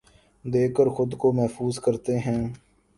دیکھ کر خود کو محظوظ کرتے ہیں